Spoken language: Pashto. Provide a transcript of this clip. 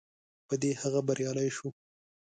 په دې هغه بریالی شو.